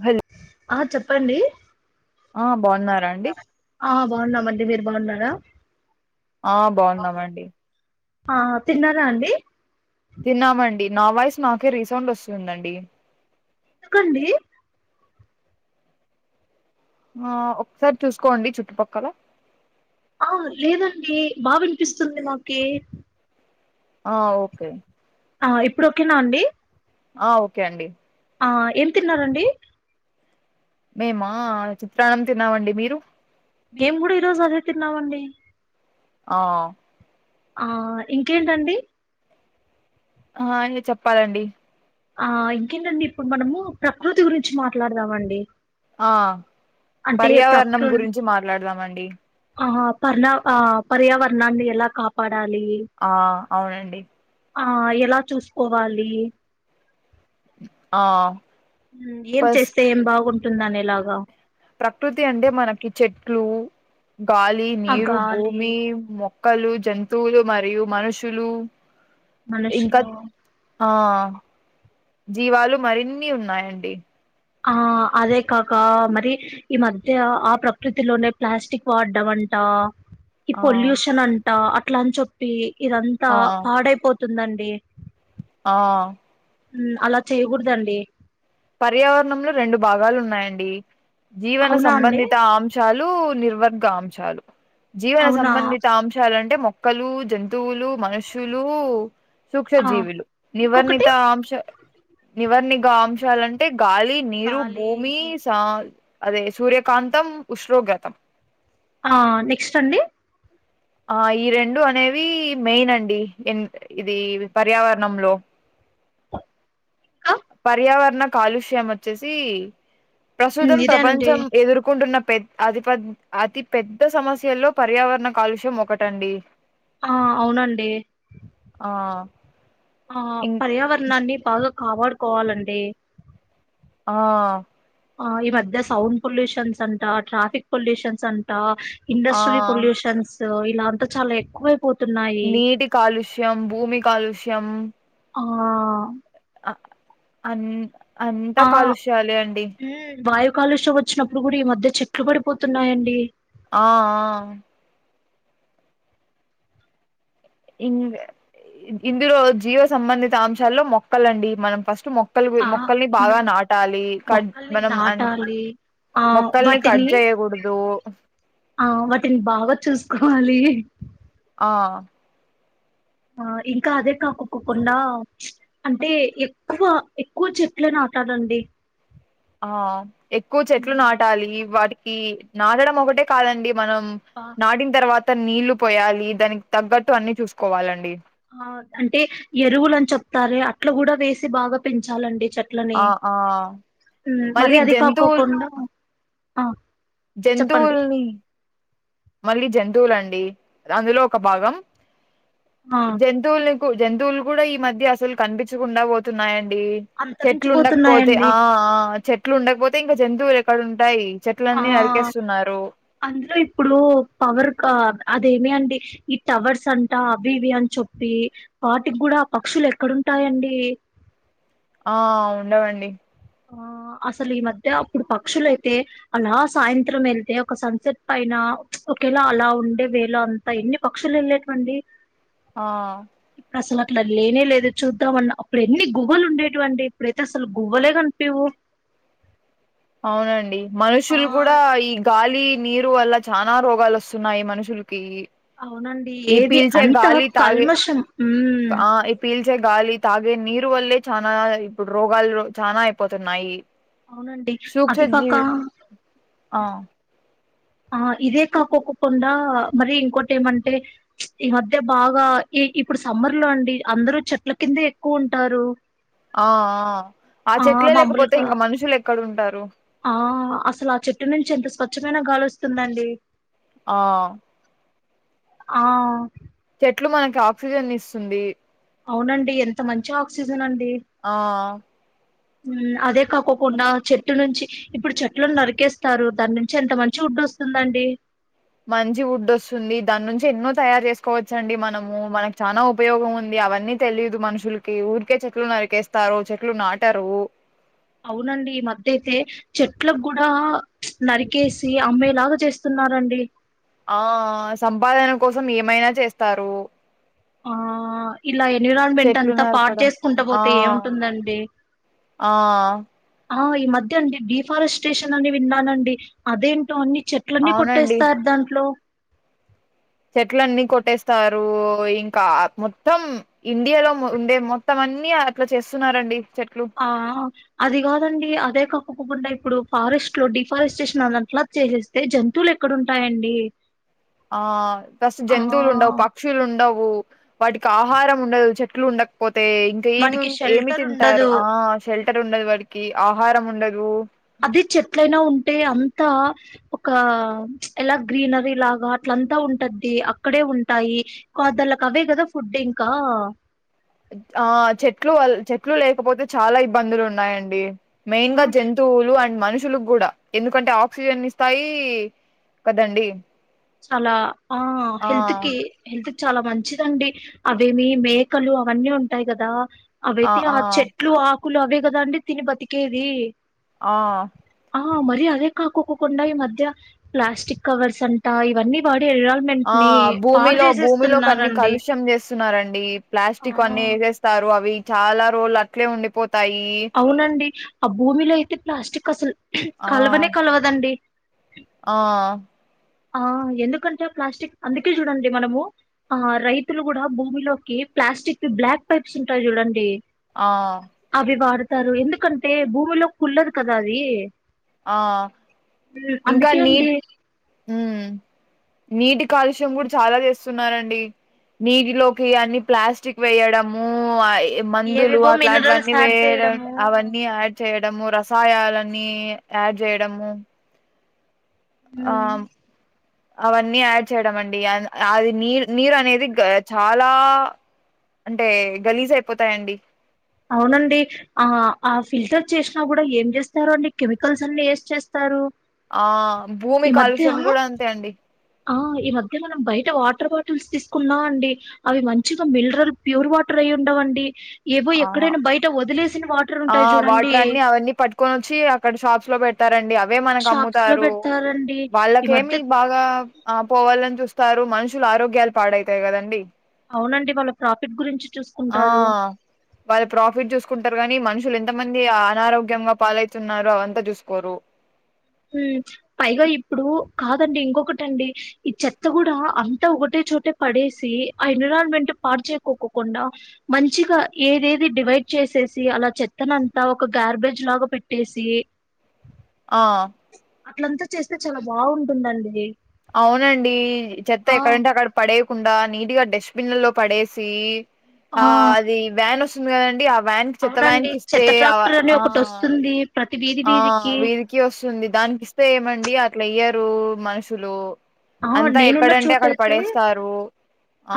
భల్ అ చెప్పండీ ఆ బావున్నారా అండి ఆ బావున్నామండి మీరు బావున్నారా ఆ బావున్నామండి ఆ తిన్నారా అండి తిన్నామండి నా వాయిస్ నాకే రీసౌండ్ వస్తుందండి ఎందుకండీ ఆ ఒక్కసారి చూసుకోండి చుట్టుపక్కల ఆ లేదండి బా వినిపిస్తుంది మాకీ ఆ ఓకే ఆ ఇప్పుడుఓకేనా అండి ఆ ఓకే అండి ఆ ఏం తిన్నారండి మేమా చిత్రాన్నం తిన్నామండి మీరు మేం కూడా ఈరోజు అదె తిన్నావండి ఆ ఆ ఇంకేంటండి ఆ ఇంగ చెప్పాలండి ఆ ఇంకేంటండి ఇప్పుడు మనము ప్రకృతి గురించి మాట్లాడదామండి ఆ అంటే పర్యావరణం ప్రకృ గురించి మాట్లాడదామండి ఆ పర్ణా ఆ పర్యావరణాన్ని ఎలా కాపా ఆ అవునండి ఆ ఎలా చూసుకోవాలి ఆ మ్ ఏం ఫస్ట్ చేస్తే ఏం బాగుంటుంది అనే లాగా ప్రకృతి అంటే మనకి చెట్లు గాలి ఆ నీరు గాలి భూమీ మొ క్కలు జంతువులు మరియు మనుషులు ఇంకా మనుషులూ ఆ జీవాలు మరిన్ని ఉన్నాయండి ఆ అదే కాకా మరి ఈ మధ్య ఆ ప్రకృతిలోనే ప్లాస్టిక్ వాడ్డం అం టా ఈ ఆ పొల్యూషన్ అంటా అట్లాని చెప్పి ఇదంతా ఆ పాడైపోతు ందండి ఆ అలా చేయకూడదండి. పర్యావరణంలో రెండు భాగాలు ఉన్నాయండి. జీవన అవునా అండి సంబంధిత అంశాలు లు నిర్వర్గ అంశాలు జీవన అవునా సంబంధిత అంశాలుంటే మొ క్కలు జంతువులు మనుషులు సూక్ష ఆ జీవులు ఇంకొకటి నివర్ణిత అంశ నివర్ణిగా అంశాలంటే గాలి నీరు గాలి భూమి సా అదే సూర్యకాంతం ఉష్ణోగ్రతం ఆ నెక్స్ట్ అండి ఆ ఈ రెండు అనేవి మెయిన్ అండి ఇది పర్యావరణంలో ఇంకా పర్యావరణ కాలుష్యం వోచ్చేసి ఉమ్, ప్రస్తుతం ఇదే అండి ప్రపంచం ఎదుర్కొంటున్న పె అతి పెద్ద అతి పెద్ద సమస్యల్లో పర్యావరణ కాలుష్యం ఒకటండి ఆ అవునండి ఆ ఆ ఇం పర్యావరణాన్ని బాగా కాపాడుకోవలండి. ఆ ఆ ఈ మధ్య సౌండ్ పొల్యూషన్స్ అంటా ట్రాఫిక్ పొల్యూషన్స్ అంటా ఆ ఇండస్ట్రిల్ పొల్యూషన్స్ ఇలా అంత చాలా ఎక్కువ అయి నీటి కాలుష్యం భూమి కాలుష్యం ఆ అన్ ఆన్ అంత ఆ కాలుష్యాలే అండి. ఉమ్ వాయు కాలుష్యం ఓచ్చినప్పుడు కూడా ఈ మధ్య చెట్లు పడిపోతున్నాయండి. ఆ ఆ ఇ ఇందులో జీవ సంబంధిత అంశాల్లో మొక్కలండి మనం ఫస్ట్ మొ మొక్కలు ఆ మొక్కల్ని మనం బాగా నాటాలి క మొక్కల్ని మనం అం నాటాలి ఆ మొక్కల్ని కట్ వాటిని చేయకూడదు ఆ వాటిని బాగా చూసుకోవాలి. ఆ ఆ ఇంకా అదే కాకోకుండా అంటే ఏ క్కువ ఎక్కువ చెట్లే నాటలండి. ఆ ఎక్కువ చెట్లు నాటాలి. వాటికి నాటడం ఒకటే కాదండి. మనం బా నాటిన తర్వాత నీళ్లు పోయాలి. దానికి తగ్గట్టు అన్ని చూసుకోవాలండి. ఆ అంటే ఎరువులని చెప్తారే అట్లా కూడా వేసి బాగా పెంచాలండి. చెట్లని ఆ ఆ ఉ మరి మళ్ళీ అది జంతువుల్ కాకోకుండా ఆ చెప్పండి జంతువుల్ని మళ్ళీ జంతువులండి అందులో ఒక భాగం ఆ జంతువులని జంతువులు కూడా ఈ మధ్య అసలు కనిపించకుండా పోతున్నాయి యి చెట్లు ఉండకపోతే అంతరించిపోతున్నాయండి ఆ ఆ చెట్లు ఉండకపోతే ఇంకా జంతువులు ఎక్కడ ఉంటాయి. ఆ చెట్లన్నీ నరికేస్తున్నారు. అందులో ఇప్పుడు పవర్ అదేమి అండి. ఈ టవర్స్ అంటా అవి ఇవి అని చెప్పి వాటికి గుడా పక్షులు ఎక్కడుంటాయండి. ఆ ఉండవండి. ఆ అసలు ఈ మధ్య అప్పుడు పక్షులైతే అలా సాయంత్రం వెళ్తే ఒక సన్సెట్ పైన ఒకేలా అలా ఉండే వేళ అంతా ఎన్ని పక్షులు ఏళ్ళేటివండి. ఆ అసలు అట్లా లేనే లేదు చూద్దాం అన్న అప్పుడు ఎన్ని గువ్వలు ఉండేటటువండి. ఇప్పుడైతే అసలు గువ్వలే కా నిపియ్యవ్ అవునండి మనుషులు కూడా ఈ గాలి త్రీ నీరు వల్ల చానా రోగాలు వస్తున్నాయి మనుషులకి అవునండి ఈ ఏది పిల్చే అంత గాలి తాగే కల్మషం ఉమ్ ఆ ఈ పిల్చే గాలి తాగే నీరు వల్లే చానా ఇప్పుడు రోగాలు చానా అయిపోతున్నాయి అవునండి అది కాక సూక్ష్మజీవి ఆ ఆ ఇదే కాకోకుండా మరి ఇంకోటి ఏమంటే ఉచ్ ఈ మధ్య బాగా ఈ ఇప్పుడు సమ్మర్ లో అండి అందరు చెట్ల కిందే ఎక్కువ ఉంటారు ఆ ఆ ఆ చెట్లే లేకపోతే ఇంక మనుషులు ఎక్కడ ఉంటారు ఆ అసలు ఆ చెట్టు నుంచి ఎంత స్వచ్ఛమైన గాలి వస్తుందండి ఆ ఆ ఎట్లు మనకి ఆక్సిజన్ ఇస్తుంది అవునండి ఎంత మంచి ఆక్సిజన్ ఆన్ ఆ ఉహ్మ్ అదే కాకోకుండా చెట్టు నుంచి ఇప్పుడు చెట్లను నరికేస్తారు దాని నుంచి ఎంత మంచి వుడ్ వస్తుందండి మంచి వుడ్ వస్తుంది దాని నుంచి ఎన్నో తయారు చేసుకోవచ్చండి మనము మనకు చానా ఉపయోగం ఉంది అవన్నీ తెలీదు మనుషులకి ఊరికే చెట్లు నరికేస్తారు చెట్లు నాటారు అవునండి ఈ మధ్య అయితే చెట్లకు కూడా ఉచ్ ఉచ్ నరికేసి అమ్మేలాగా చేస్తున్నారండి ఆ ఆ సంపాదన కోసం ఏమైనా చేస్తారు ఆ ఇలా ఎన్విరాన్మెంట్ చెట్లు అంతా పాడు నరకడం చేసుకుంటా ఆ పోతే ఏమి ఉంటుంది అండి ఆ ఆ ఈ మధ్య అండి డిఫారెస్ట్ స్టేషన్ అని విన్నాండి అది ఏంటో అన్నీ చెట్లని అవునండి కొట్టేస్తారు దాంట్లో చెట్లన్నీ కొట్టేస్తారు యి ఇంకా మొత్తం ఇండియాలో ఉ ఉండే మొత్తం ఆన్ అన్నీ అట్లా చేస్తున్నారండి చెట్లు ఆ అది కాదండి అదే కా కుక్కుండా ఇప్పుడు ఫారెస్ట్ లో డిఫారెస్టేషన్ అన్న అట్ల [unintelligible] చేసేస్తే జంతువులు ఎక్కడ ఉంటాయండి ఆ ఫస్ట్ జంతువులు ఉండవ్ పక్షులు ఉండవ్ ఉహు వాటికి ఆహారం ఉండదు చెట్లు ఉండకపో తే ఇంకా ఏమి వాటికి ఏమి షెల్టర్ తింటారు ఉండదు ఆ షెల్టర్ ఉండదు వాటికి ఆహారం ఉండదు అది చెట్లైనా ఉంటే అంత ఒక ఉచ్ ఎలా గ్రీనరీ లాగా అట్లంతా ఉంటది అక్కడే ఉంటాయి కాదలక అవే కథ ఫుడ్ ఇంకా ఆ చెట్లు చెట్లు లేకపోతే చాలా ఇబ్బందులు ఉన్నాయండి మెయిన్ ఆ గా జంతువులు ఆన్ మనుషులకు కూడా ఎందుకంటే ఆక్సిజన్ ఇస్తాయి కదండి చాలా ఆ హెల్త్ కి హెల్ చాలా మంచిదండి అవేమీ మేకలు అవన్నీ ఉంటాయి కదా అవైతే ఆ చెట్లు ఆకులు అవే కథ అండి తిని బతికేది ఆ ఆ మరి అదే కాకోకుండా ఈ మధ్య ప్లాస్టిక్ కవర్స్ అంట ఇవన్నీ వా ఆ భూమిలో భూమిలోకి అన్ని చేసేస్తున్నారండి కలుష్యం చేస్తున్నారండి ప్లాస్టిక్ ఆ వన్నీ చేస్తారు అవి చాలా రోజులు అట్లే ఉండిపో అవునండి ఆ భూమిలో అయితే ప్లాస్టిక్ అసలు ఆ కలవనే కలవదండి. ఆ ఆ ఎందుకంటే ప్లాస్టిక్ అందుకే చూడండి మనము ఆ రైతులు కూడా భూమిలోకి ప్లాస్టిక్వి బ్లాక్ పైప్స్ ఉంటాయి చూడండి ఆ స్తారు ఎందుకంటే భూమిలో కుల్లదు కదా అది ఆ ఉ ఇంకా అందుకే అండి నీట్ ఉమ్ నీటి కాలుష్యం కూడా చాలా చేస్తున్నారండి నీటిలోకి అన్ని ప్లాస్టిక్ వేయడము అయ్ ఈ మందులు ఏవేవో మినరల్స్ అట్లాంటివన్నీ యాడ్ వేయడం చేయడము అవన్నీ యాడ్ చేయ డము రసాయాలన్ని యాడ్ చేయడము ఉమ్, ఆమ్ అవన్నీ యాడ్ చేయడం అండి అ అది నీరు నీరు అనేది గ చాలా అంటే గలీజ్ అయిపోతాయండి అవునండి ఆ ఆ ఫిల్టర్ చేసినా కూడా ఏం చేస్తారో అండి కెమికల్స్ అన్ని వేసి చేస్తారు. ఆ భూమి ఈ కాలుష్యం మధ్య కూడా అంతే అండి ఆ ఈ మధ్య మనం బయట వాటర్ బాటిల్స్ తీసుకున్నా అండి అవి మంచిగా మిలరల్ ప్యూర్ వాటరే వుండవండి ఏవో ఆహా ఎక్కడైనా బయట వదిలేసిన వాటరు ఆ ఉంటాయి చూడండి వాటర్ అన్ని అవన్నీ పట్టుకొని వచ్చి అక్కడ షాప్స్ లో పెడతారండి అవే మనకు షాప్స్‌లో అమ్ముతారు పెడతారండి. ఈ మధ్య వాళ్ళకేమి బాగా ఆ పోవాలని చూస్తారు మనుషులు ఆరోగ్యాలు పాడైతాయి కదండి. అవునండి వాళ్ళ ప్రాఫిట్ గురించి చూసుకుంటారు. వాళ్ళు ప్రాఫిట్ చూసుకుంటారు కానీ మనుషులు ఎంత మంది అనారోగ్యంగా పాలవుతున్నారో అదంతా చూసుకోరు. [inaudible] ఉ పైగా ఇప్పుడు కాదండి ఇంకొకటండి ఈ చెత్త కూడా అంతా ఒటే చోటే పడేసి ఆ ఎన్విరాన్మెంట్ పాడుచేకోకుండా మంచిగా ఏదేది డివైడ్ చేసేసి అలా చెత్తనంతా ఒక గార్బేజ్ లాగా పెట్టేసి [inaudible] అట్లంతా చేస్తే చాలా బాగుంటుందండి అవునండి చెత్త ఎక్కడంటే అక్కడ పడే కుండా నీట్గా డస్ట్బిన్లో పడేసి ఆ అది వ్యాన్ వస్తుంది కదండి ఆగ్ వ్యాన్ కి చెత్త అవునండి వ్యాన్ కి ఇస్తే చెత్త అవ ట్రాక్టర్ అని ఆ ఒకటి వస్తుంది ప్రతి వీధి ఆ వీధికి వీధీకి వస్తుంది దానికి ఇస్తే ఏమండి అట్లా ఇయ్యరు మనుషులు. ఆ అంతా నేనున్న ఎక్కడంటే చోట అక్కడ అయితే పడేస్తారు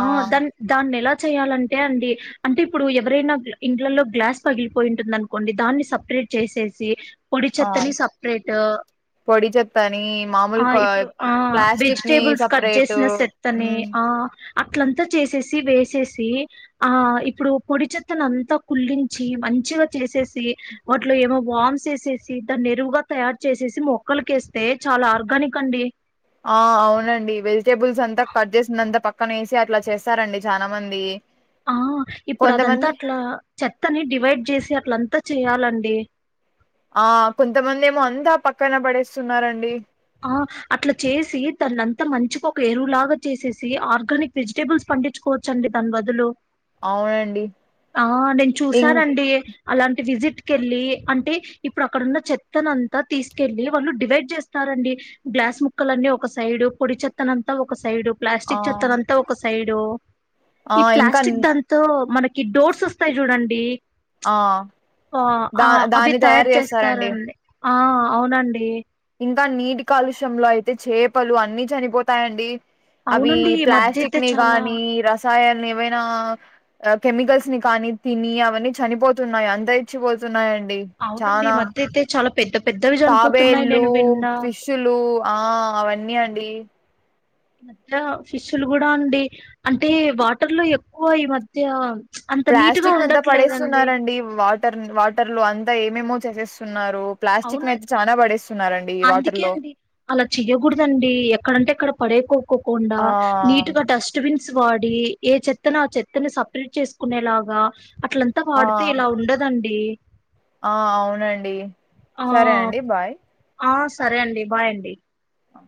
ఆ దాన్ దాన్ ఎలా చేయాలంటే అండి అంటే ఇప్పుడు ఎవరైనా ఇండ్లలలో గ్లాస్ పగిలిపోయిటుంది అనుకోండి, దాన్ని సపరేట్ చేసేసి పొడి ఆ చెత్తని సపరేటు పొడి చెత్తని మామూలు ఆ క ఇప్పుడు ఆ ప్లాస్టిక్ ని వెజిటేబుల్స్ కట్ సపరేట్ చేసిన సెత్తని మ్మ్ ఆ అట్లంతా చేసేసి వేసేసి ఆ ఇప్పుడు పొడి చెత్తను అంతా కుల్లించి మంచి మంచిగా చేసేసి వాటిలో ఏమో వామ్ చేసేసి దాన్ని ఎరువుగా తయారు చేసేసి మొక్కలకి వేసేసి తే చాలా ఆర్గానిక్ అండి ఆ అవునండి వెజిటేబుల్స్ అంతా కట్ చేసినక్ అంత పక్కన వేసి అట్లా చేస్తారండి చానా మంది ఆ ఇప్పుడు అదంతా కొంతమంది అట్లా చెత్తని డివైడ్ చేసి అట్లంతా చేయాలండి ఆ కొంతమంది ఏమో అంతా పక్కన పడేస్తున్నారండి ఆ అట్లా చేసి తనంతా మంచిగా ఒక ఎరువులాగా చేసేసి ఆర్గానిక్ వెజిటేబుల్స్ పండించుకో కోచండి దాని బద్దులు అవునండి ఆ నేను ఇం చూసానండి అలాంటి విజిట్ కెళ్ళి అంటే ఇప్పుడు అక్కడున్న చెత్త అంతా తీసుకెళ్ళి వాళ్ళు డివైడ్ చేస్త స్తారండి గ్లాస్ ముక్కల అన్నీ ఒక సైడు పొడి చెత్తన అంతా ఒక సైడ్ ఆ ప్లాస్టిక్ చెత్తన అంతా ఒక సైడు ఆ ఈ ఇంకా ప్లాస్టిక్ దాంతో మనకి డోర్స్ వస్తాయి చూడండి ఆ ఆ ఆ అవి తయారు చేస్తారండి ఆ అవునండి ఇంకా నీటి కాలుష్య లో అయితే చేపలు అన్ని చనిపోతాయండి అవి అవునండి ఈ మధ్య అయితే ప్లాస్టిక్ ని చాలా గాని రస్ వ్యవసాయాలని ఏవైనా కెమికల్స్ ని కానీ తిని అవన్నీ చనిపోతున్నాయి అంతరించిపోతున్నాయి అవునండి ఈ మద్య అయితే పెద్ద పెద్దవి చనిపోతున్నాయి తాబేల్లు నేను విన్నా ఫిష్లు ఆ అవన్నీ అండి ఈ మధ్య ఫిష్లు కూడా అండి అంటే వాటర్ లో ఎక్కువ ఈ మధ్య అంత నీట్ గా ప్లాస్టిక్ ని అంతా ఉండట్లేదండి పడేస్తున్నండి వాటర్ వాటర్లు అంతా ఏమేమో చేసేస్తున్నారు ప్లాస్టిక్ ని అవునండి అయితే చానా పడేస్తున్నారండి వాటర్ అందుకే లో అండి అలా చెయ్యకూడదండి ఎక్కడంటే ఎక్కడ పడేకోక్కకుండా ఆ నీట్ గా డస్ట్బిన్ వాడి ఏ చెత్తను ఆ చెత్తను సపరేట్ చేసుకునేలాగా అట్లంతా ఆ వాడితే ఇలా ఉండదండి ఆ అవునండి ఆ సరే అండి బాయ్ ఆ సరే అండి బాయండి ఆ